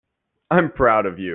I'm proud of you.